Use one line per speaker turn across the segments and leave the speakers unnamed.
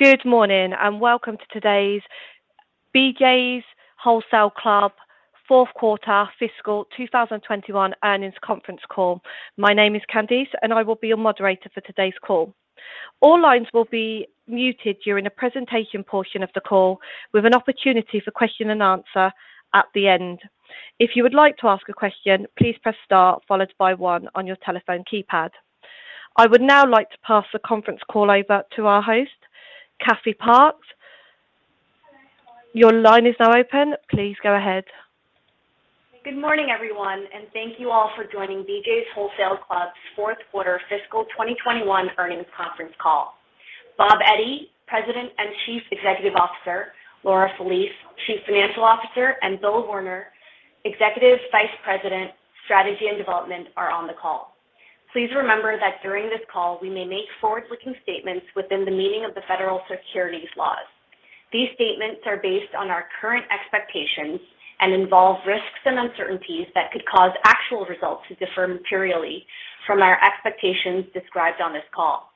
Good morning, and welcome to today's BJ's Wholesale Club Fourth Quarter fiscal 2021 Earnings Conference Call. My name is Candice, and I will be your moderator for today's call. All lines will be muted during the presentation portion of the call with an opportunity for question and answer at the end. If you would like to ask a question, please press star followed by one on your telephone keypad. I would now like to pass the conference call over to our host, Cathy Park. Your line is now open. Please go ahead.
Good morning everyone and thank you all for joining BJ's Wholesale Club's fourth quarter fiscal 2021 earnings conference call. Bob Eddy, President and Chief Executive Officer, Laura Felice, Chief Financial Officer, and Bill Werner, Executive Vice President, Strategy and Development, are on the call. Please remember that during this call, we may make forward-looking statements within the meaning of the federal securities laws. These statements are based on our current expectations and involve risks and uncertainties that could cause actual results to differ materially from our expectations described on this call.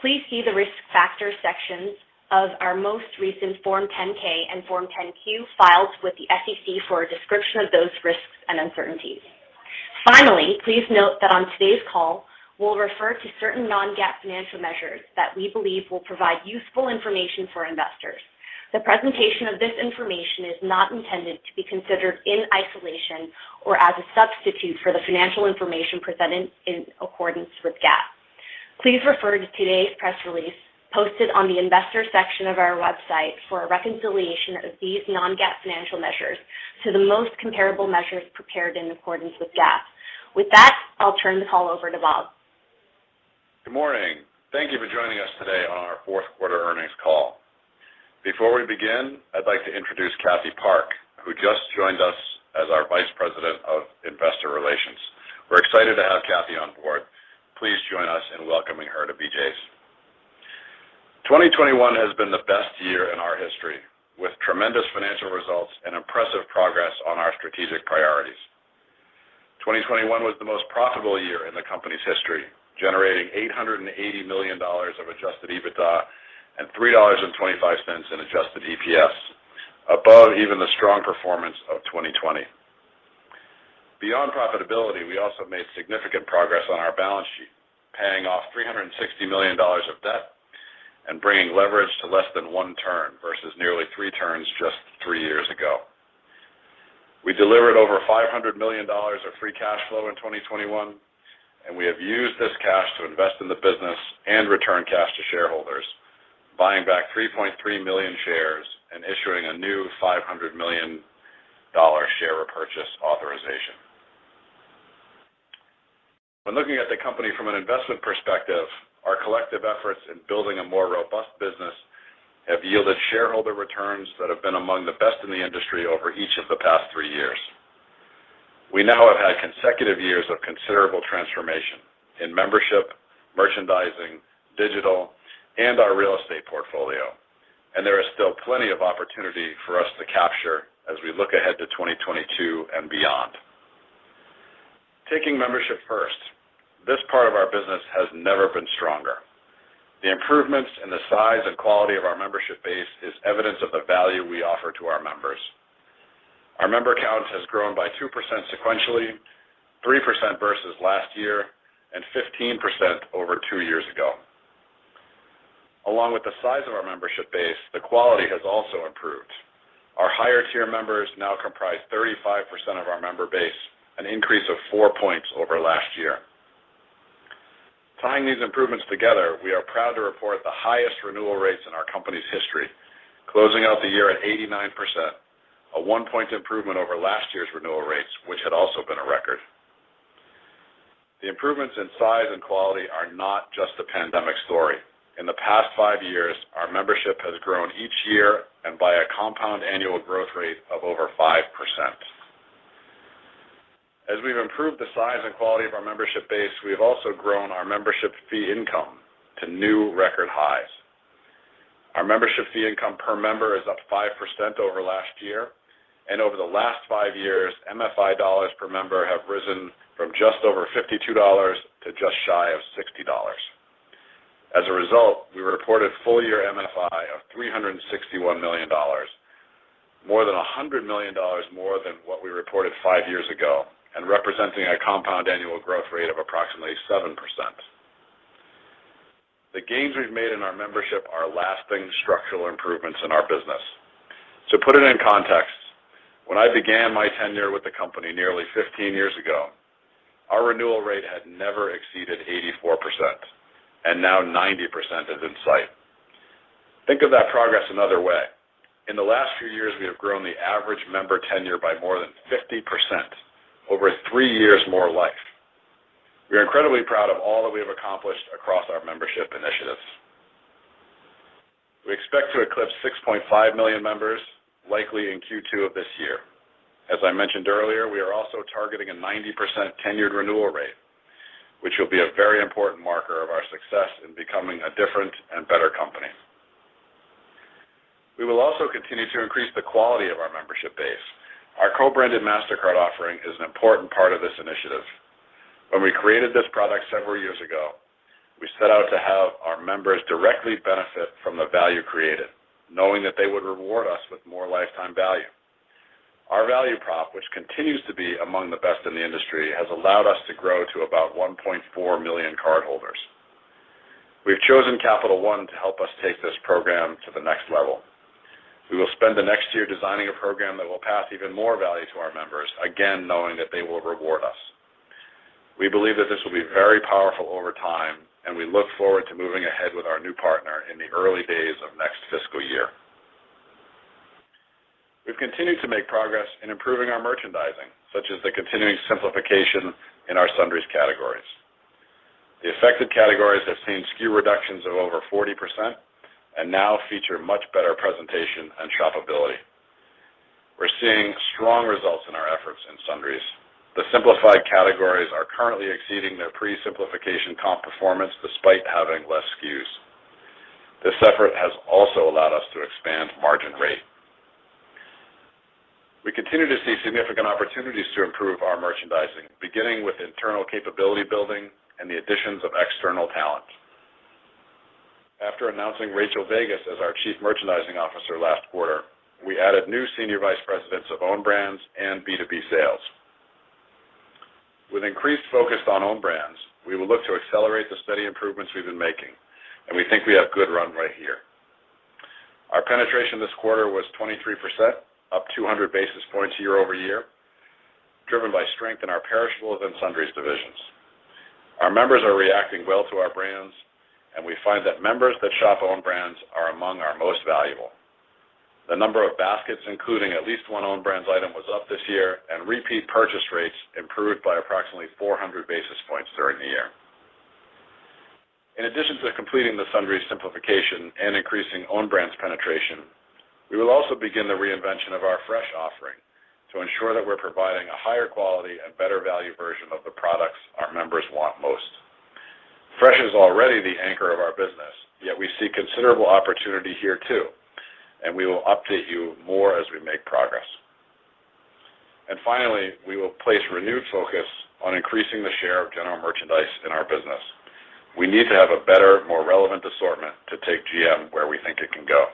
Please see the Risk Factors sections of our most recent Form 10-K and Form 10-Q filed with the SEC for a description of those risks and uncertainties. Finally, please note that on today's call, we'll refer to certain non-GAAP financial measures that we believe will provide useful information for investors. The presentation of this information is not intended to be considered in isolation or as a substitute for the financial information presented in accordance with GAAP. Please refer to today's press release posted on the Investors section of our website for a reconciliation of these non-GAAP financial measures to the most comparable measures prepared in accordance with GAAP. With that, I'll turn the call over to Bob.
Good morning. Thank you for joining us today on our fourth quarter earnings call. Before we begin, I'd like to introduce Cathy Park, who just joined us as our Vice President of Investor Relations. We're excited to have Cathy on board. Please join us in welcoming her to BJ's. 2021 has been the best year in our history, with tremendous financial results and impressive progress on our strategic priorities. 2021 was the most profitable year in the company's history, generating $880 million of Adjusted EBITDA and $3.25 in Adjusted EPS, above even the strong performance of 2020. Beyond profitability, we also made significant progress on our balance sheet, paying off $360 million of debt and bringing leverage to less than one turn versus nearly three turns just three years ago. We delivered over $500 million of free cash flow in 2021, and we have used this cash to invest in the business and return cash to shareholders, buying back 3.3 million shares and issuing a new $500 million share repurchase authorization. When looking at the company from an investment perspective, our collective efforts in building a more robust business have yielded shareholder returns that have been among the best in the industry over each of the past three years. We now have had consecutive years of considerable transformation in membership, merchandising, digital, and our real estate portfolio, and there is still plenty of opportunity for us to capture as we look ahead to 2022 and beyond. Taking membership first, this part of our business has never been stronger. The improvements in the size and quality of our membership base is evidence of the value we offer to our members. Our member count has grown by 2% sequentially, 3% versus last year, and 15% over two years ago. Along with the size of our membership base, the quality has also improved. Our higher-tier members now comprise 35% of our member base, an increase of four points over last year. Tying these improvements together, we are proud to report the highest renewal rates in our company's history, closing out the year at 89%, a one point improvement over last year's renewal rates, which had also been a record. The improvements in size and quality are not just a pandemic story. In the past 5 years, our membership has grown each year and by a compound annual growth rate of over 5%. As we've improved the size and quality of our membership base, we have also grown our membership fee income to new record highs. Our membership fee income per member is up 5% over last year, and over the last five years, MFI dollars per member have risen from just over $52 to just shy of $60. As a result, we reported full-year MFI of $361 million, more than $100 million more than what we reported five years ago and representing a compound annual growth rate of approximately 7%. The gains we've made in our membership are lasting structural improvements in our business. To put it in context, when I began my tenure with the company nearly 15 years ago, our renewal rate had never exceeded 84%, and now 90% is in sight. Think of that progress another way. In the last few years, we have grown the average member tenure by more than 50%, over three years more lifetime. We are incredibly proud of all that we have accomplished across our membership initiatives. We expect to eclipse 6.5 million members likely in Q2 of this year. As I mentioned earlier, we are also targeting a 90% tenured renewal rate, which will be a very important marker of our success in becoming a different and better company. We will also continue to increase the quality of our membership base. Our co-branded Mastercard offering is an important part of this initiative. When we created this product several years ago, we set out to have our members directly benefit from the value created, knowing that they would reward us with more lifetime value. Our value prop, which continues to be among the best in the industry, has allowed us to grow to about 1.4 million cardholders. We've chosen Capital One to help us take this program to the next level. We will spend the next year designing a program that will pass even more value to our members, again, knowing that they will reward us. We believe that this will be very powerful over time, and we look forward to moving ahead with our new partner in the early days of next fiscal year. We've continued to make progress in improving our merchandising, such as the continuing simplification in our sundries categories. The affected categories have seen SKU reductions of over 40% and now feature much better presentation and shoppability. We're seeing strong results in our efforts in sundries. The simplified categories are currently exceeding their pre-simplification comp performance despite having less SKUs. This effort has also allowed us to expand margin rate. We continue to see significant opportunities to improve our merchandising, beginning with internal capability building and the additions of external talent. After announcing Rachael Vegas as our Chief Merchandising Officer last quarter, we added new Senior Vice Presidents of own brands and B2B sales. With increased focus on own brands, we will look to accelerate the steady improvements we've been making, and we think we have good run rate here. Our penetration this quarter was 23%, up 200 basis points year-over-year, driven by strength in our perishables and sundries divisions. Our members are reacting well to our brands, and we find that members that shop own brands are among our most valuable. The number of baskets, including at least one own brands item, was up this year, and repeat purchase rates improved by approximately 400 basis points during the year. In addition to completing the sundries simplification and increasing own brands penetration, we will also begin the reinvention of our fresh offering to ensure that we're providing a higher quality and better value version of the products our members want most. Fresh is already the anchor of our business, yet we see considerable opportunity here too, and we will update you more as we make progress. Finally, we will place renewed focus on increasing the share of general merchandise in our business. We need to have a better, more relevant assortment to take GM where we think it can go.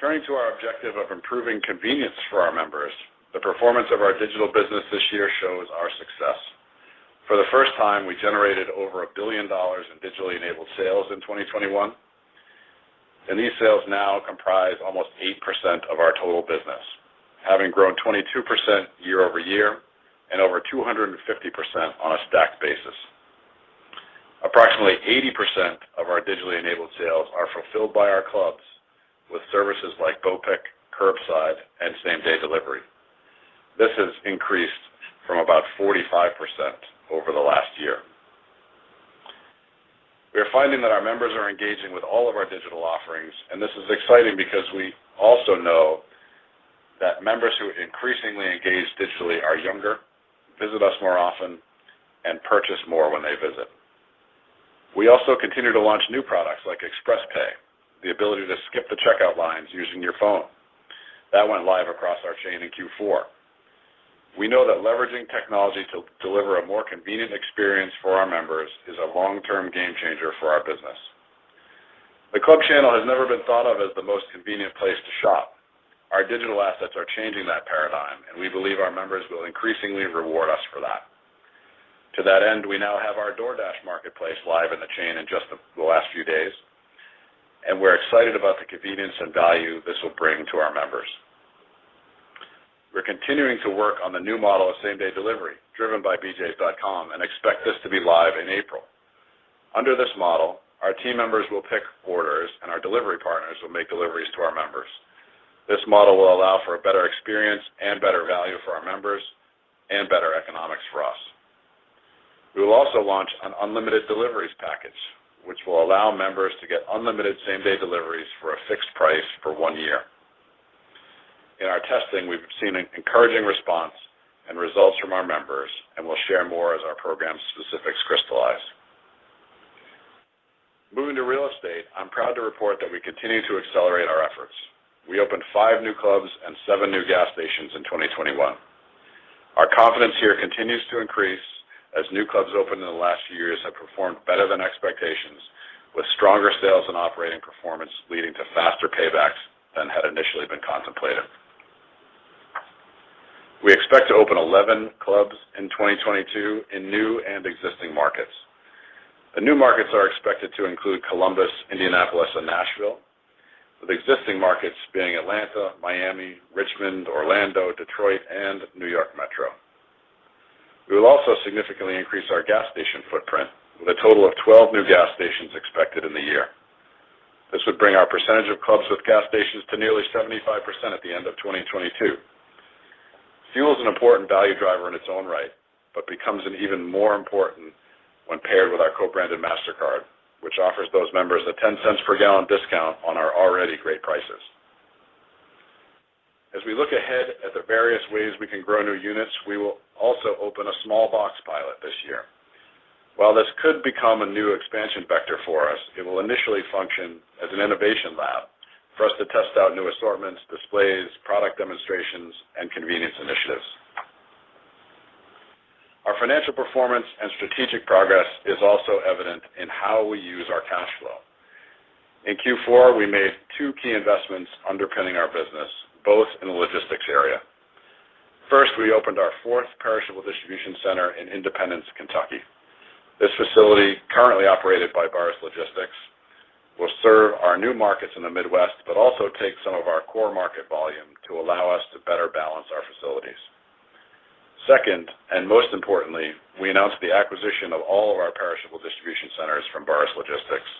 Turning to our objective of improving convenience for our members, the performance of our digital business this year shows our success. For the first time, we generated over $1 billion in digitally-enabled sales in 2021, and these sales now comprise almost 8% of our total business, having grown 22% year-over-year and over 250% on a stacked basis. Approximately 80% of our digitally-enabled sales are fulfilled by our clubs with services like BOPIC, Curbside, and same-day delivery. This has increased from about 45% over the last year. We are finding that our members are engaging with all of our digital offerings, and this is exciting because we also know that members who increasingly engage digitally are younger, visit us more often, and purchase more when they visit. We also continue to launch new products like ExpressPay, the ability to skip the checkout lines using your phone. That went live across our chain in Q4. We know that leveraging technology to deliver a more convenient experience for our members is a long-term game changer for our business. The club channel has never been thought of as the most convenient place to shop. Our digital assets are changing that paradigm, and we believe our members will increasingly reward us for that. To that end, we now have our DoorDash marketplace live in the chain in just the last few days, and we're excited about the convenience and value this will bring to our members. We're continuing to work on the new model of same-day delivery driven by bj's.com and expect this to be live in April. Under this model, our team members will pick orders and our delivery partners will make deliveries to our members. This model will allow for a better experience and better value for our members and better economics for us. We will also launch an unlimited deliveries package, which will allow members to get unlimited same-day deliveries for a fixed price for one year. In our testing, we've seen an encouraging response and results from our members, and we'll share more as our program specifics crystallize. Moving to real estate, I'm proud to report that we continue to accelerate our efforts. We opened five new clubs and seven new gas stations in 2021. Our confidence here continues to increase as new clubs opened in the last few years have performed better than expectations, with stronger sales and operating performance leading to faster paybacks than had initially been contemplated. We expect to open 11 clubs in 2022 in new and existing markets. The new markets are expected to include Columbus, Indianapolis, and Nashville, with existing markets being Atlanta, Miami, Richmond, Orlando, Detroit, and New York Metro. We will also significantly increase our gas station footprint, with a total of 12 new gas stations expected in the year. This would bring our percentage of clubs with gas stations to nearly 75% at the end of 2022. Fuel is an important value driver in its own right, but becomes an even more important when paired with our co-branded Mastercard, which offers those members a $0.10 per gallon discount on our already great prices. As we look ahead at the various ways we can grow new units, we will also open a small box pilot this year. While this could become a new expansion vector for us, it will initially function as an innovation lab for us to test out new assortments, displays, product demonstrations, and convenience initiatives. Our financial performance and strategic progress is also evident in how we use our cash flow. In Q4, we made two key investments underpinning our business, both in the logistics area. First, we opened our fourth perishable distribution center in Independence, Kentucky. This facility, currently operated by Burris Logistics, will serve our new markets in the Midwest, but also take some of our core market volume to allow us to better balance our facilities. Second, and most importantly, we announced the acquisition of all of our perishable distribution centers from Burris Logistics.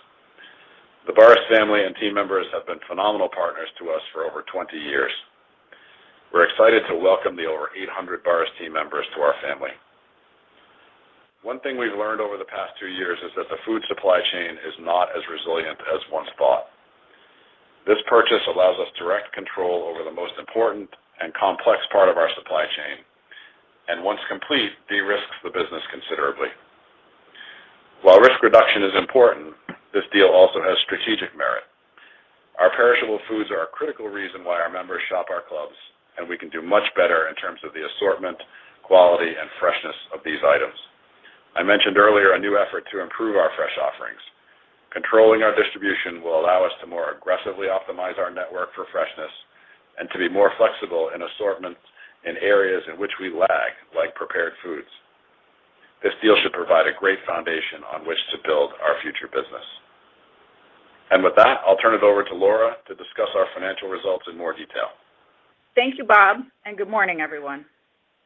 The Burris family and team members have been phenomenal partners to us for over 20 years. We're excited to welcome the over 800 Burris team members to our family. One thing we've learned over the past two years is that the food supply chain is not as resilient as once thought. This purchase allows us direct control over the most important and complex part of our supply chain, and once complete, de-risks the business considerably. While risk reduction is important, this deal also has strategic merit. Our perishable foods are a critical reason why our members shop our clubs, and we can do much better in terms of the assortment, quality, and freshness of these items. I mentioned earlier a new effort to improve our fresh offerings. Controlling our distribution will allow us to more aggressively optimize our network for freshness and to be more flexible in assortments in areas in which we lack, like prepared foods. This deal should provide a great foundation on which to build our future business. With that, I'll turn it over to Laura to discuss our financial results in more detail.
Thank you Bob and good morning everyone.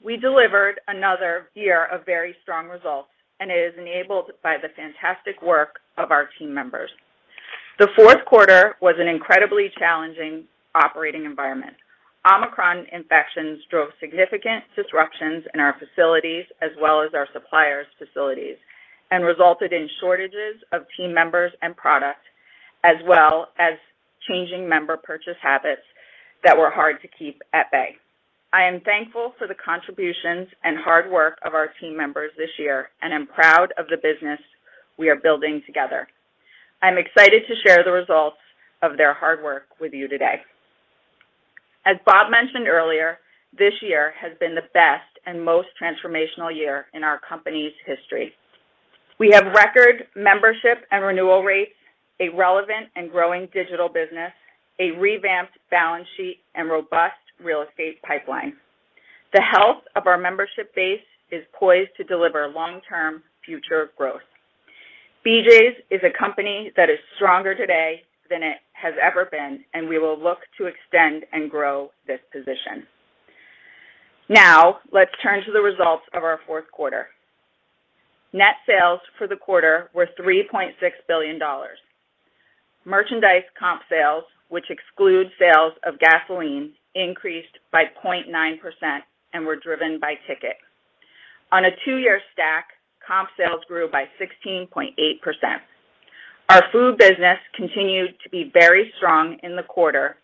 We delivered another year of very strong results, and it is enabled by the fantastic work of our team members. The fourth quarter was an incredibly challenging operating environment. Omicron infections drove significant disruptions in our facilities as well as our suppliers' facilities and resulted in shortages of team members and product, as well as changing member purchase habits that were hard to keep at bay. I am thankful for the contributions and hard work of our team members this year, and I'm proud of the business we are building together. I'm excited to share the results of their hard work with you today. As Bob mentioned earlier, this year has been the best and most transformational year in our company's history. We have record membership and renewal rates, a relevant and growing digital business, a revamped balance sheet, and robust real estate pipeline. The health of our membership base is poised to deliver long-term future growth. BJ's is a company that is stronger today than it has ever been, and we will look to extend and grow this position. Now, let's turn to the results of our fourth quarter. Net sales for the quarter were $3.6 billion. Merchandise comp sales, which exclude sales of gasoline, increased by 0.9% and were driven by ticket. On a two-year stack, comp sales grew by 16.8%. Our food business continued to be very strong in the quarter,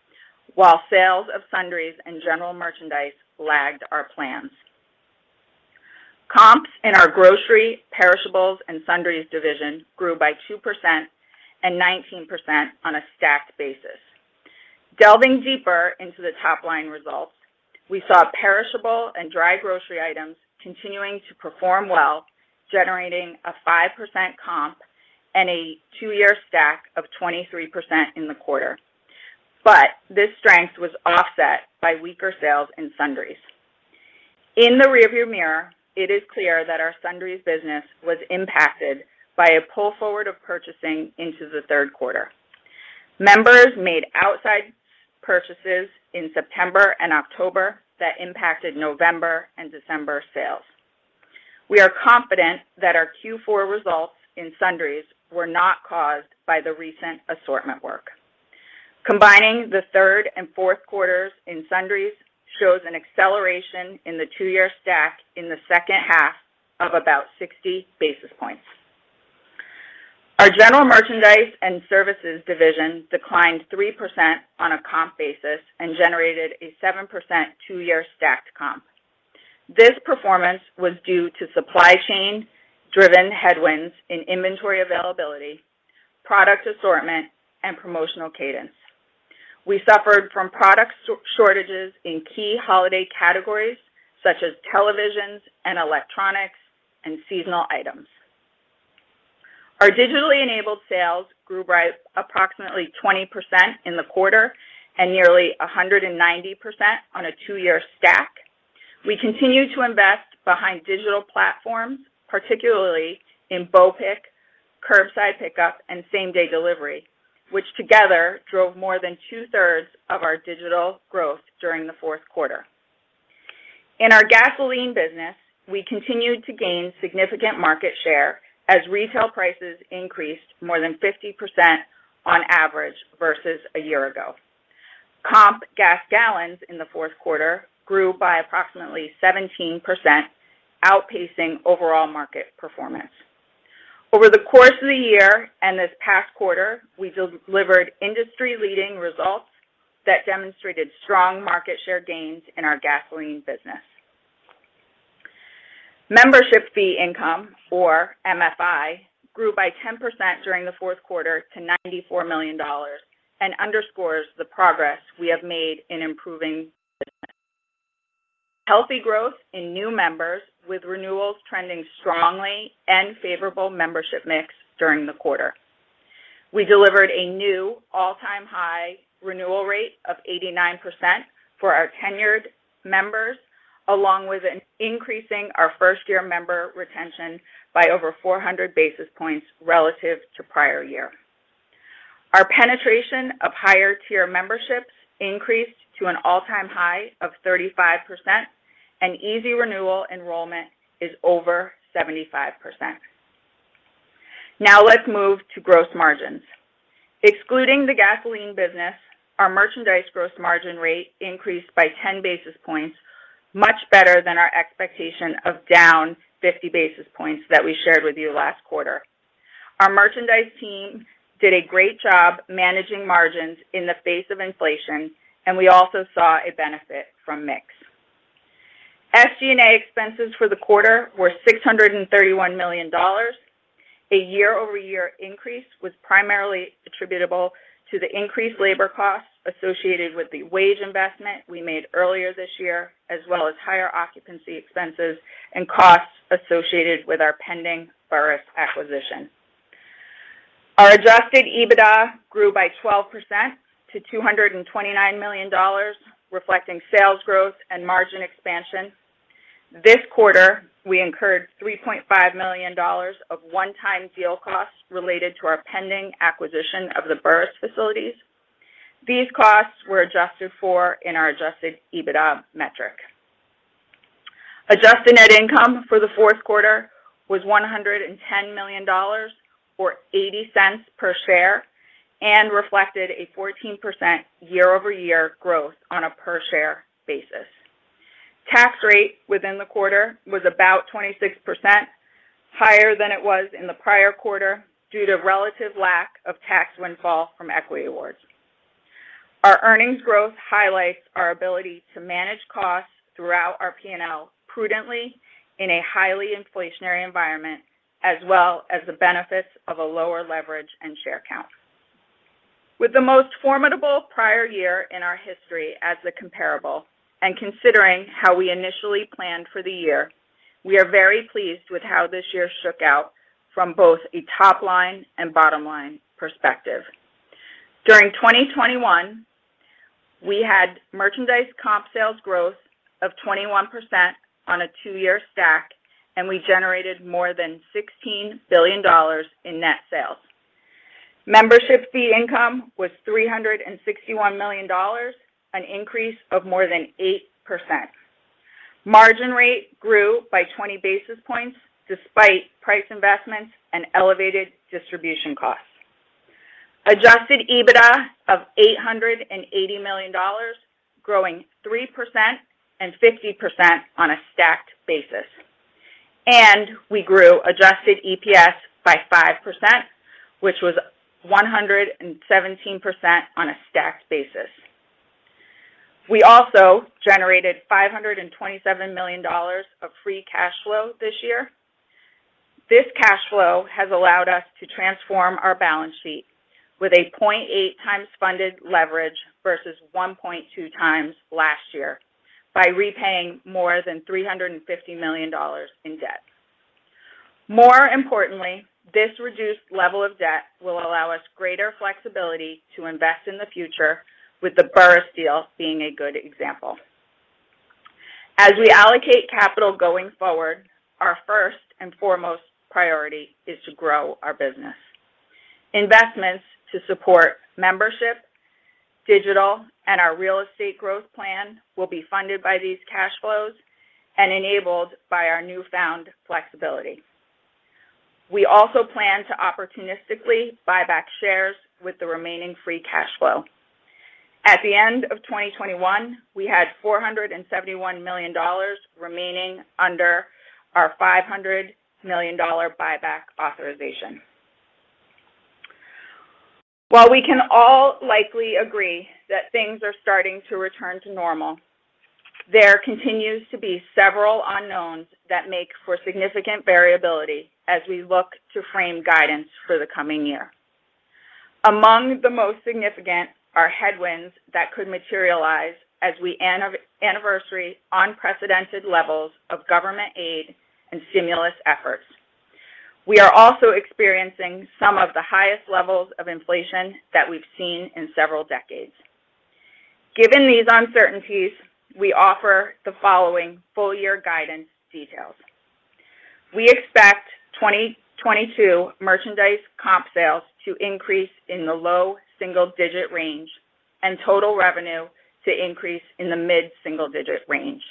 while sales of sundries and general merchandise lagged our plans. Comps in our grocery, perishables, and sundries division grew by 2% and 19% on a stacked basis. Delving deeper into the top-line results, we saw perishable and dry grocery items continuing to perform well, generating a 5% comp and a two-year stack of 23% in the quarter. This strength was offset by weaker sales in sundries. In the rearview mirror, it is clear that our sundries business was impacted by a pull forward of purchasing into the third quarter. Members made outside purchases in September and October that impacted November and December sales. We are confident that our Q4 results in sundries were not caused by the recent assortment work. Combining the third and fourth quarters in sundries shows an acceleration in the two-year stack in the H2 of about 60 basis points. Our general merchandise and services division declined 3% on a comp basis and generated a 7% two-year stacked comp. This performance was due to supply chain-driven headwinds in inventory availability, product assortment, and promotional cadence. We suffered from product shortages in key holiday categories, such as televisions and electronics and seasonal items. Our digitally-enabled sales grew by approximately 20% in the quarter and nearly 190% on a two-year stack. We continue to invest behind digital platforms, particularly in BOPIC, curbside pickup, and same-day delivery, which together drove more than 2/3 of our digital growth during the fourth quarter. In our gasoline business, we continued to gain significant market share as retail prices increased more than 50% on average versus a year ago. Comp gas gallons in the fourth quarter grew by approximately 17%, outpacing overall market performance. Over the course of the year and this past quarter, we delivered industry-leading results that demonstrated strong market share gains in our gasoline business. Membership fee income, or MFI, grew by 10% during the fourth quarter to $94 million and underscores the progress we have made in improving business. Healthy growth in new members with renewals trending strongly and favorable membership mix during the quarter. We delivered a new all-time high renewal rate of 89% for our tenured members, along with an increase in our first-year member retention by over 400 basis points relative to prior year. Our penetration of higher tier memberships increased to an all-time high of 35%, and easy renewal enrollment is over 75%. Now let's move to gross margins. Excluding the gasoline business, our merchandise gross margin rate increased by 10 basis points, much better than our expectation of down 50 basis points that we shared with you last quarter. Our merchandise team did a great job managing margins in the face of inflation, and we also saw a benefit from mix. SG&A expenses for the quarter were $631 million. A year-over-year increase was primarily attributable to the increased labor costs associated with the wage investment we made earlier this year, as well as higher occupancy expenses and costs associated with our pending Burris acquisition. Our Adjusted EBITDA grew by 12% to $229 million, reflecting sales growth and margin expansion. This quarter, we incurred $3.5 million of one-time deal costs related to our pending acquisition of the Burris facilities. These costs were adjusted for in our Adjusted EBITDA metric. Adjusted net income for the fourth quarter was $110 million, or $0.80 per share, and reflected a 14% year-over-year growth on a per-share basis. Tax rate within the quarter was about 26%, higher than it was in the prior quarter due to relative lack of tax windfall from equity awards. Our earnings growth highlights our ability to manage costs throughout our P&L prudently in a highly inflationary environment, as well as the benefits of a lower leverage and share count. With the most formidable prior year in our history as the comparable, and considering how we initially planned for the year, we are very pleased with how this year shook out from both a top-line and bottom-line perspective. During 2021, we had merchandise comp sales growth of 21% on a two-year stack, and we generated more than $16 billion in net sales. Membership fee income was $361 million, an increase of more than 8%. Margin rate grew by 20 basis points despite price investments and elevated distribution costs. Adjusted EBITDA of $880 million, growing 3% and 50% on a stacked basis. We grew Adjusted EPS by 5%, which was 117% on a stacked basis. We also generated $527 million of free cash flow this year. This cash flow has allowed us to transform our balance sheet with 0.8x funded leverage versus 1.2x last year by repaying more than $350 million in debt. More importantly, this reduced level of debt will allow us greater flexibility to invest in the future with the Burris deal being a good example. As we allocate capital going forward, our first and foremost priority is to grow our business. Investments to support membership, digital, and our real estate growth plan will be funded by these cash flows and enabled by our newfound flexibility. We also plan to opportunistically buy back shares with the remaining free cash flow. At the end of 2021, we had $471 million remaining under our $500 million buyback authorization. While we can all likely agree that things are starting to return to normal, there continues to be several unknowns that make for significant variability as we look to frame guidance for the coming year. Among the most significant are headwinds that could materialize as we anniversary unprecedented levels of government aid and stimulus efforts. We are also experiencing some of the highest levels of inflation that we've seen in several decades. Given these uncertainties, we offer the following full year guidance details. We expect 2022 merchandise comp sales to increase in the low single-digit range and total revenue to increase in the mid single-digit range.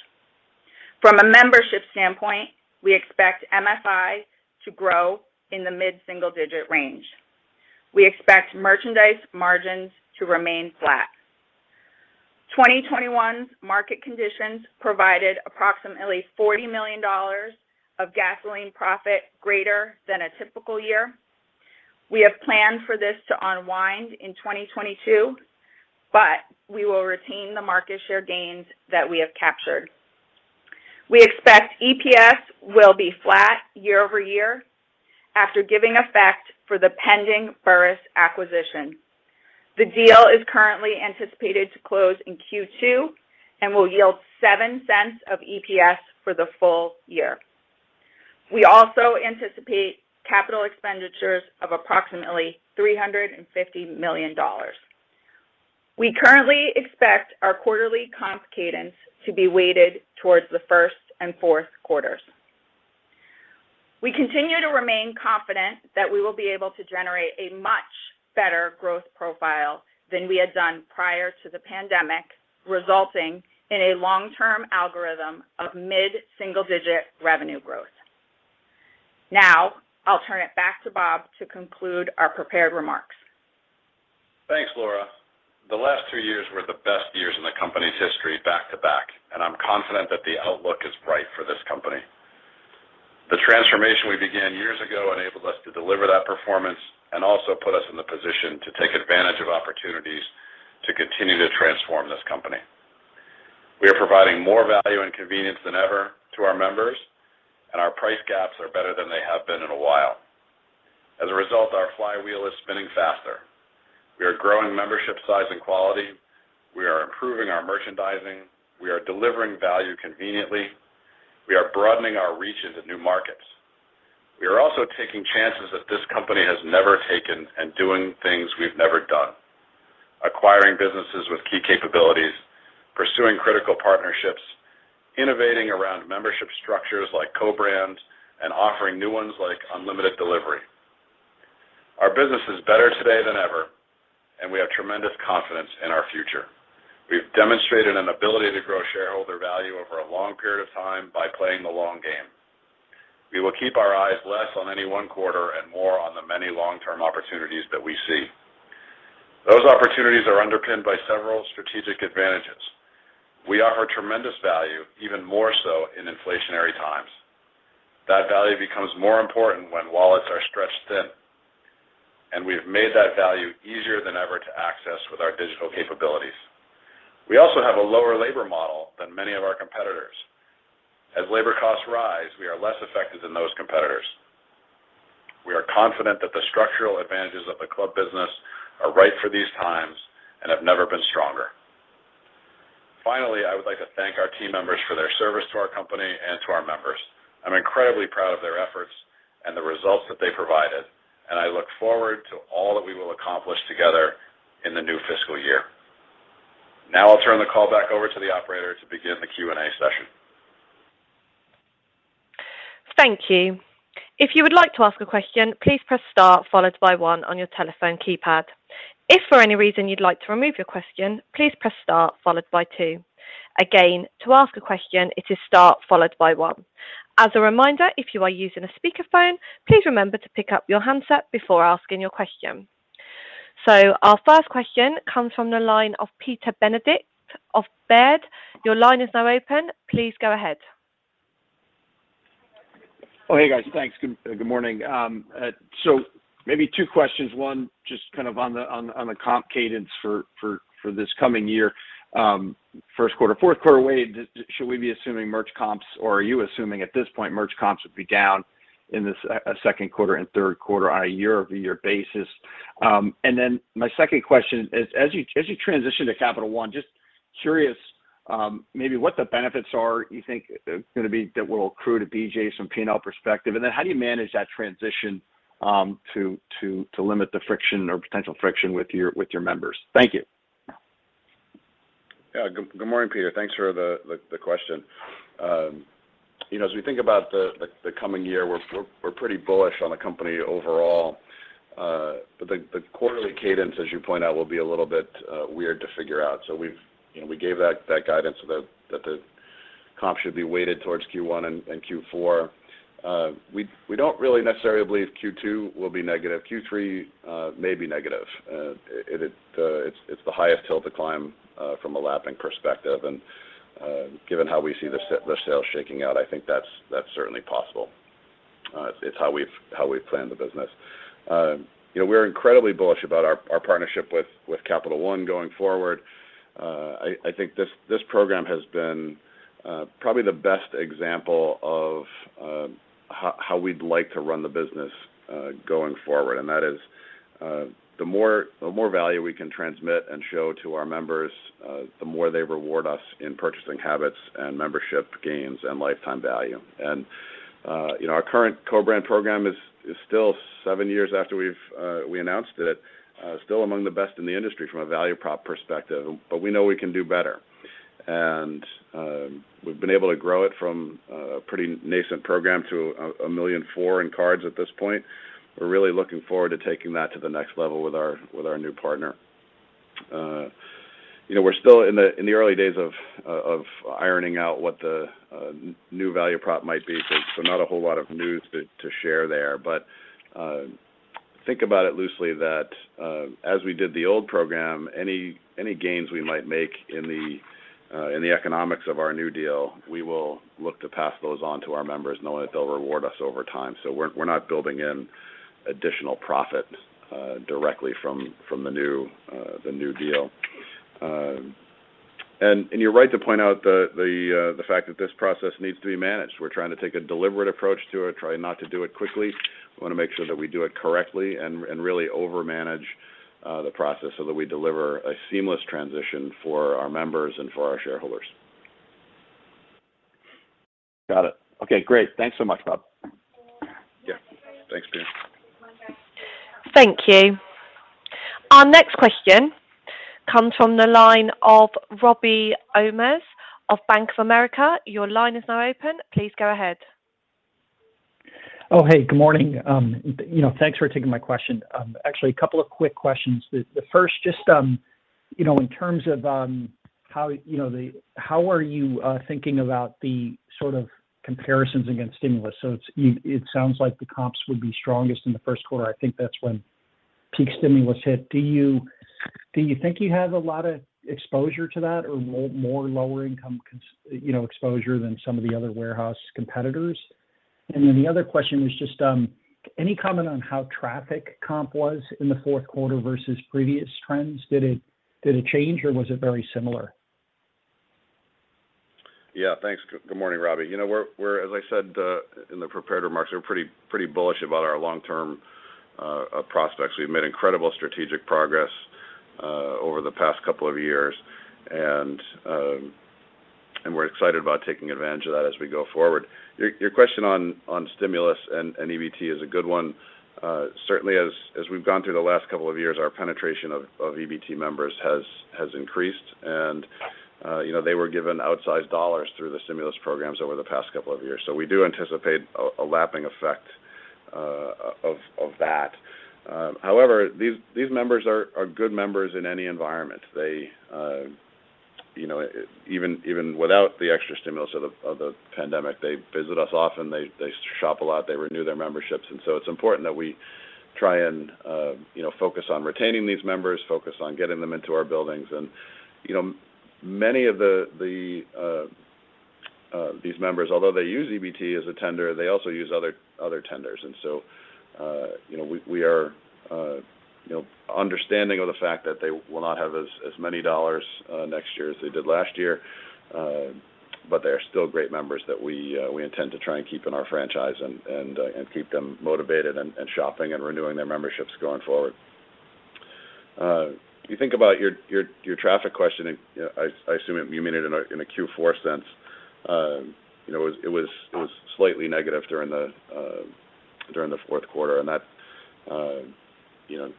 From a membership standpoint, we expect MFI to grow in the mid single-digit range. We expect merchandise margins to remain flat. 2021's market conditions provided approximately $40 million of gasoline profit greater than a typical year. We have planned for this to unwind in 2022, but we will retain the market share gains that we have captured. We expect EPS will be flat year-over-year after giving effect for the pending Burris acquisition. The deal is currently anticipated to close in Q2 and will yield $0.07 of EPS for the full year. We also anticipate capital expenditures of approximately $350 million. We currently expect our quarterly comp cadence to be weighted towards the first and fourth quarters. We continue to remain confident that we will be able to generate a much better growth profile than we had done prior to the pandemic, resulting in a long-term algorithm of mid-single-digit revenue growth. Now, I'll turn it back to Bob to conclude our prepared remarks.
Thanks, Laura. The last two years were the best years in the company's history back-to-back, and I'm confident that the outlook is bright for this company. The transformation we began years ago enabled us to deliver that performance and also put us in the position to take advantage of opportunities to continue to transform this company. We are providing more value and convenience than ever to our members, and our price gaps are better than they have been in a while. As a result, our flywheel is spinning faster. We are growing membership size and quality. We are improving our merchandising. We are delivering value conveniently. We are broadening our reach into new markets. We are also taking chances that this company has never taken and doing things we've never done, acquiring businesses with key capabilities, pursuing critical partnerships, innovating around membership structures like co-brands, and offering new ones like unlimited delivery. Our business is better today than ever, and we have tremendous confidence in our future. We've demonstrated an ability to grow shareholder value over a long period of time by playing the long game. We will keep our eyes less on any one quarter and more on the many long-term opportunities that we see. Those opportunities are underpinned by several strategic advantages. We offer tremendous value, even more so in inflationary times. That value becomes more important when wallets are stretched thin, and we've made that value easier than ever to access with our digital capabilities. We also have a lower labor model than many of our competitors. As labor costs rise, we are less affected than those competitors. We are confident that the structural advantages of the club business are right for these times and have never been stronger. Finally, I would like to thank our team members for their service to our company and to our members. I'm incredibly proud of their efforts and the results that they provided, and I look forward to all that we will accomplish together in the new fiscal year. Now I'll turn the call back over to the operator to begin the Q&A session.
Thank you! If you would like to ask a question, please press star followed by one on your telephone keypad. If, for any reason you'd like to remove your question, please press star followed by two again to ask a question. It is star followed by one. As a reminder if you are using a speakerphone, please remember to pick up your handset before asking a question. Our first question comes from the line of Peter Benedict of Baird. Your line is now open. Please go ahead.
Oh, hey guys. Thanks. Good morning. Maybe two questions. One, just kind of on the comp cadence for this coming year, first quarter, fourth quarter wave, should we be assuming merch comps, or are you assuming at this point merch comps would be down in this second quarter and third quarter on a year-over-year basis? My second question is, as you transition to Capital One, just curious, maybe what the benefits are you think going to be that will accrue to BJ's from P&L perspective? How do you manage that transition, to limit the friction or potential friction with your members? Thank you.
Yeah. Good morning, Peter. Thanks for the question. You know, as we think about the coming year, we're pretty bullish on the company overall. The quarterly cadence, as you point out, will be a little bit weird to figure out. We've you know, we gave that guidance that the comp should be weighted towards Q1 and Q4. We don't really necessarily believe Q2 will be negative. Q3 may be negative. It's the highest hill to climb from a lapping perspective. Given how we see the sales shaking out, I think that's certainly possible. It's how we've planned the business. You know, we're incredibly bullish about our partnership with Capital One going forward. I think this program has been probably the best example of how we'd like to run the business going forward. That is, the more value we can transmit and show to our members, the more they reward us in purchasing habits and membership gains and lifetime value. You know, our current co-brand program is still seven years after we announced it, still among the best in the industry from a value prop perspective, but we know we can do better. We've been able to grow it from a pretty nascent program to 1.4 million cards at this point. We're really looking forward to taking that to the next level with our new partner. You know, we're still in the early days of ironing out what the new value prop might be. Not a whole lot of news to share there. Think about it loosely that as we did the old program, any gains we might make in the economics of our new deal, we will look to pass those on to our members, knowing that they'll reward us over time. We're not building in additional profit directly from the new deal. You're right to point out the fact that this process needs to be managed. We're trying to take a deliberate approach to it, try not to do it quickly. We wanna make sure that we do it correctly and really over-manage the process so that we deliver a seamless transition for our members and for our shareholders.
Got it. Okay, great. Thanks so much, Bob.
Yeah. Thanks, Peter.
Thank you. Our next question comes from the line of Robby Ohmes of Bank of America. Your line is now open. Please go ahead.
Oh, hey, good morning. You know, thanks for taking my question. Actually a couple of quick questions. The first, just, you know, in terms of, how you know, how are you thinking about the sort of comparisons against stimulus? It sounds like the comps would be strongest in the first quarter. I think that's when peak stimulus hit. Do you think you have a lot of exposure to that or more lower income, you know, exposure than some of the other warehouse competitors? The other question is just, any comment on how traffic comp was in the fourth quarter versus previous trends? Did it change or was it very similar?
Yeah, thanks. Good morning, Robby. You know, we're as I said in the prepared remarks, we're pretty bullish about our long-term prospects. We've made incredible strategic progress over the past couple of years. We're excited about taking advantage of that as we go forward. Your question on stimulus and EBT is a good one. Certainly as we've gone through the last couple of years, our penetration of EBT members has increased. You know, they were given outsized dollars through the stimulus programs over the past couple of years. We do anticipate a lapping effect of that. However, these members are good members in any environment. They, you know, even without the extra stimulus of the pandemic, they visit us often, they shop a lot, they renew their memberships. It's important that we try and, you know, focus on retaining these members, focus on getting them into our buildings. You know, many of these members, although they use EBT as a tender, they also use other tenders. You know, we are understanding of the fact that they will not have as many dollars next year as they did last year. But they are still great members that we intend to try and keep in our franchise and keep them motivated and shopping and renewing their memberships going forward. You think about your traffic question. I assume you mean it in a Q4 sense. You know, it was slightly negative during the fourth quarter, and that you know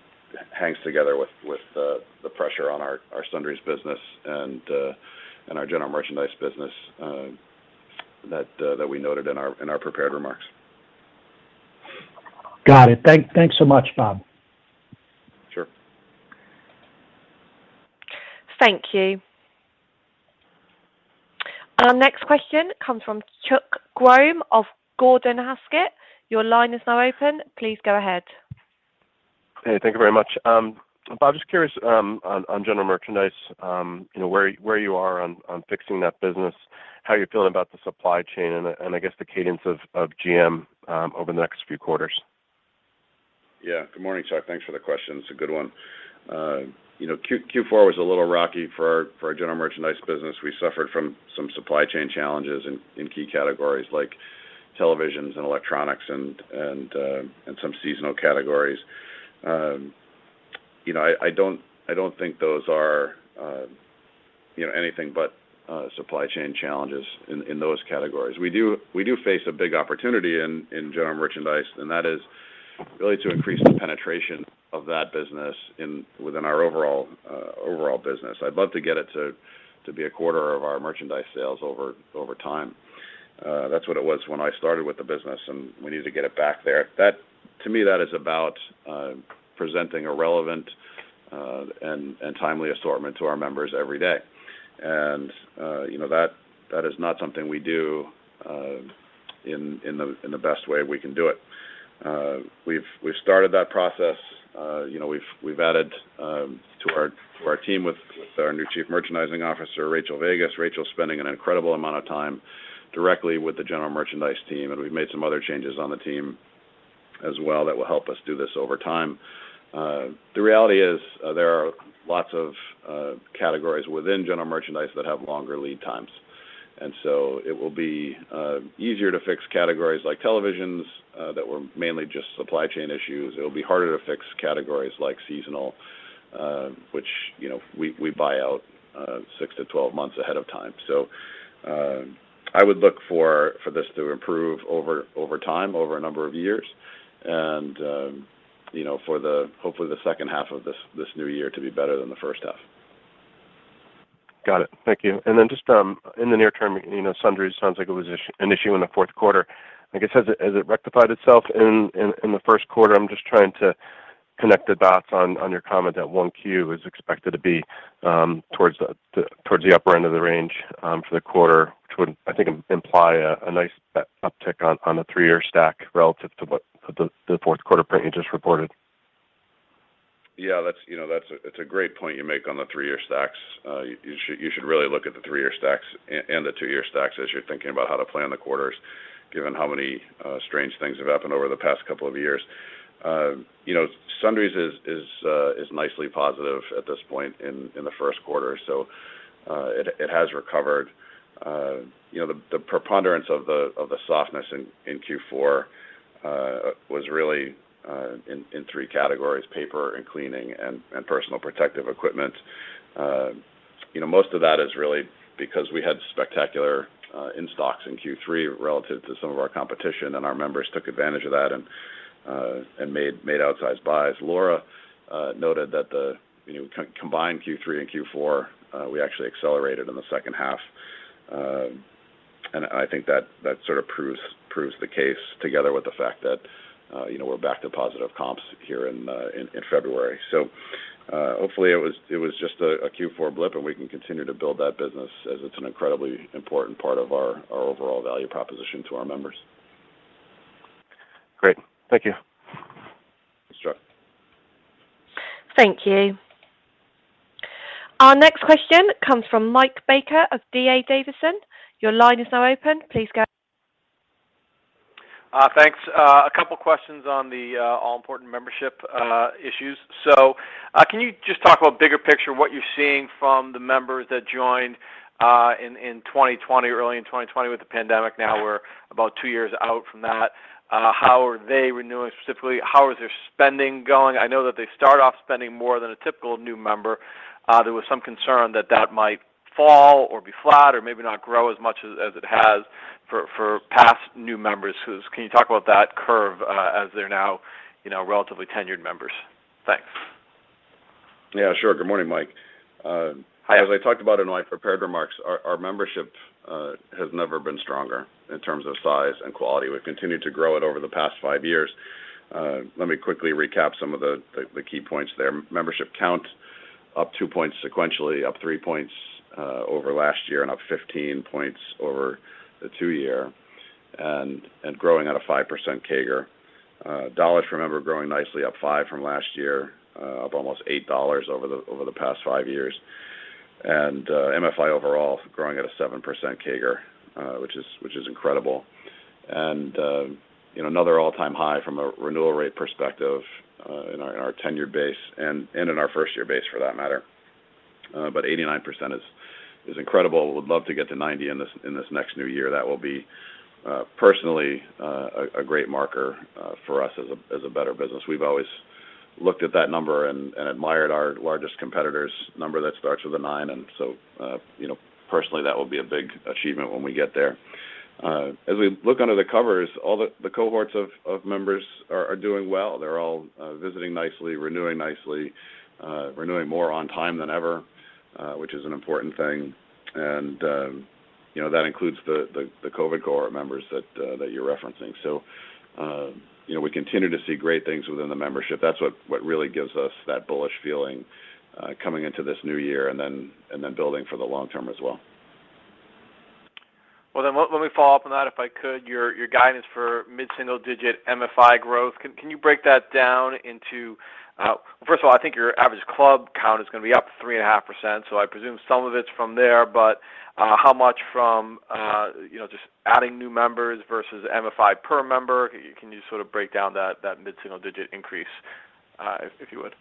hangs together with the pressure on our sundries business and our general merchandise business, that we noted in our prepared remarks.
Got it. Thanks so much, Bob.
Sure.
Thank you. Our next question comes from Chuck Grom of Gordon Haskett. Your line is now open. Please go ahead.
Hey, thank you very much. Bob, just curious, on general merchandise, you know, where you are on fixing that business, how you're feeling about the supply chain and I guess the cadence of GM over the next few quarters.
Yeah. Good morning, Chuck. Thanks for the question. It's a good one. You know, Q4 was a little rocky for our general merchandise business. We suffered from some supply chain challenges in key categories like televisions and electronics and some seasonal categories. You know, I don't think those are anything but supply chain challenges in those categories. We do face a big opportunity in general merchandise, and that is really to increase the penetration of that business within our overall business. I'd love to get it to be a quarter of our merchandise sales over time. That's what it was when I started with the business, and we need to get it back there. That, to me, that is about presenting a relevant and timely assortment to our members every day. You know, that is not something we do in the best way we can do it. We've started that process. You know, we've added to our team with our new Chief Merchandising Officer, Rachael Vegas. Rachael's spending an incredible amount of time directly with the general merchandise team, and we've made some other changes on the team as well that will help us do this over time. The reality is, there are lots of categories within general merchandise that have longer lead times. It will be easier to fix categories like televisions that were mainly just supply chain issues. It'll be harder to fix categories like seasonal, which, you know, we buy out six to 12 months ahead of time. I would look for this to improve over time, over a number of years and you know, for hopefully the H2 of this new year to be better than the H1.
Got it. Thank you. Just in the near term, you know, sundries sounds like it was an issue in the fourth quarter. I guess, has it rectified itself in the first quarter? I'm just trying to connect the dots on your comment that Q1 is expected to be towards the upper end of the range for the quarter, which would, I think, imply a nice uptick on the three-year stack relative to what the fourth quarter print you just reported.
Yeah. That's, you know, a great point you make on the three-year stacks. You should really look at the three-year stacks and the two-year stacks as you're thinking about how to plan the quarters, given how many strange things have happened over the past couple of years. Sundries is nicely positive at this point in the first quarter, so it has recovered. The preponderance of the softness in Q4 was really in three categories, paper and cleaning and personal protective equipment. Most of that is really because we had spectacular in-stocks in Q3 relative to some of our competition, and our members took advantage of that and made outsized buys. Laura noted that the, you know, combined Q3 and Q4, we actually accelerated in the H2. I think that sort of proves the case together with the fact that, you know, we're back to positive comps here in February. Hopefully it was just a Q4 blip, and we can continue to build that business as it's an incredibly important part of our overall value proposition to our members.
Great. Thank you.
Sure.
Thank you. Our next question comes from Michael Baker of D.A. Davidson. Your line is now open. Please go.
Thanks. A couple questions on the all-important membership issues. Can you just talk about bigger picture, what you're seeing from the members that joined in 2020, early in 2020 with the pandemic? Now we're about two years out from that. How are they renewing specifically? How is their spending going? I know that they start off spending more than a typical new member. There was some concern that that might fall or be flat or maybe not grow as much as it has for past new members. Can you talk about that curve as they're now, you know, relatively tenured members? Thanks.
Yeah, sure. Good morning, Mike.
Hi.
As I talked about in my prepared remarks, our membership has never been stronger in terms of size and quality. We've continued to grow it over the past five years. Let me quickly recap some of the key points there. Membership count up two points sequentially, up three points over last year and up 15 points over the two-year, and growing at a 5% CAGR. Dollars per member growing nicely, up $5 from last year, up almost $8 over the past five years. MFI overall growing at a 7% CAGR, which is incredible. You know, another all-time high from a renewal rate perspective in our ten-year base and in our first-year base for that matter. But 89% is incredible. Would love to get to 90 in this next new year. That will be personally a great marker for us as a better business. We've always looked at that number and admired our largest competitor's number that starts with a nine and so you know personally that will be a big achievement when we get there. As we look under the covers, all the cohorts of members are doing well. They're all visiting nicely, renewing nicely, renewing more on time than ever, which is an important thing. You know that includes the COVID cohort members that you're referencing. You know we continue to see great things within the membership. That's what really gives us that bullish feeling, coming into this new year and then building for the long term as well.
Well, let me follow up on that if I could. Your guidance for mid-single-digit MFI growth, can you break that down into first of all, I think your average club count is gonna be up 3.5%, so I presume some of it's from there. How much from you know, just adding new members versus MFI per member? Can you sort of break down that mid-single-digit increase, if you would?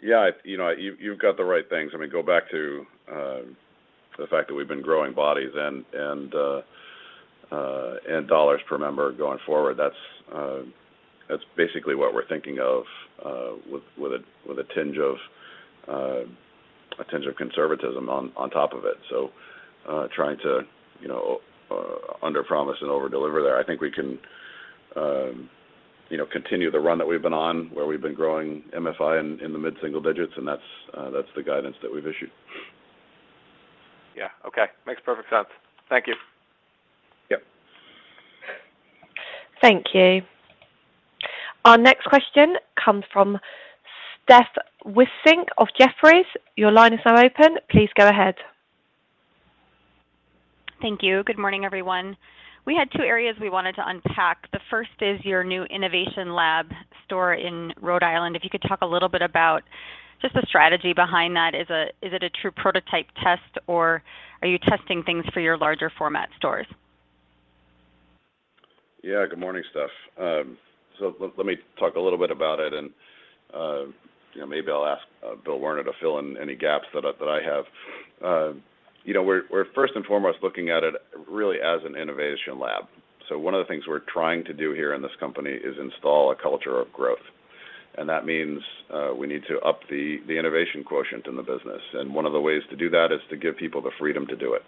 Yeah. You know, you've got the right things. I mean, go back to the fact that we've been growing bodies and dollars per member going forward, that's basically what we're thinking of with a tinge of conservatism on top of it. Trying to underpromise and overdeliver there. I think we can continue the run that we've been on, where we've been growing MFI in the mid-single-digits, and that's the guidance that we've issued.
Yeah. Okay. Makes perfect sense. Thank you.
Yep.
Thank you. Our next question comes from Steph Wissink of Jefferies. Your line is now open. Please go ahead.
Thank you. Good morning everyone. We had two areas we wanted to unpack. The first is your new innovation lab store in Rhode Island. If you could talk a little bit about just the strategy behind that. Is it a true prototype test, or are you testing things for your larger format stores?
Yeah. Good morning, Steph. Let me talk a little bit about it and, you know, maybe I'll ask Bill Werner to fill in any gaps that I have. You know, we're first and foremost looking at it really as an innovation lab. One of the things we're trying to do here in this company is instill a culture of growth, and that means we need to up the innovation quotient in the business, and one of the ways to do that is to give people the freedom to do it.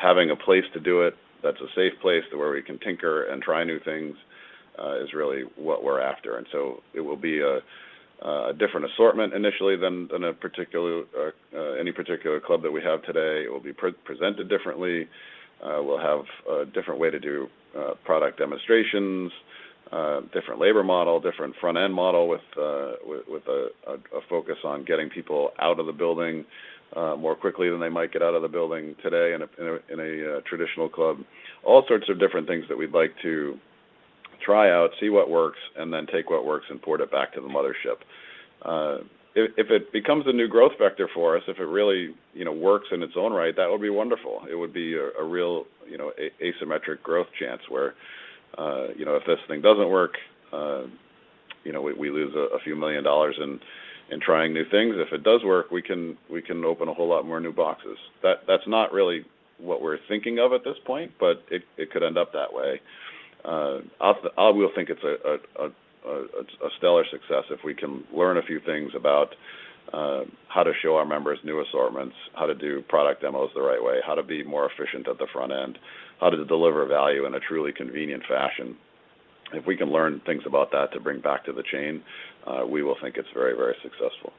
Having a place to do it that's a safe place, too, where we can tinker and try new things is really what we're. It will be a different assortment initially than any particular club that we have today. It will be pre-presented differently. We'll have a different way to do product demonstrations, different labor model, different front-end model with a focus on getting people out of the building more quickly than they might get out of the building today in a traditional club. All sorts of different things that we'd like to try out, see what works, and then take what works and port it back to the mothership. If it becomes a new growth vector for us, if it really, you know, works in its own right, that would be wonderful. It would be a real, you know, asymmetric growth chance where, you know, if this thing doesn't work, you know, we lose a few million dollars in trying new things. If it does work, we can open a whole lot more new boxes. That's not really what we're thinking of at this point, but it could end up that way. We'll think it's a stellar success if we can learn a few things about how to show our members new assortments, how to do product demos the right way, how to be more efficient at the front end, how to deliver value in a truly convenient fashion. If we can learn things about that to bring back to the chain, we will think it's very, very successful.